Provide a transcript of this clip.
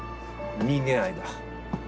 人間愛だ。